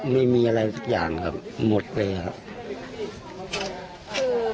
ไม่มีอะไรสักอย่างครับหมดเลยครับ